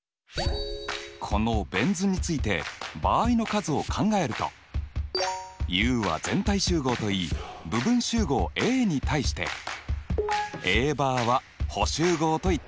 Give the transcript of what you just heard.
このベン図について場合の数を考えるとＵは全体集合といい部分集合Ａに対してＡバーは補集合といったよね？